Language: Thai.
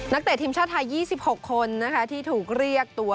นักเตะทีมชาติไทยยี่สิบหกคนนะคะที่ถูกเรียกตัว